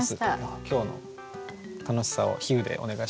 今日の楽しさを比喩でお願いします。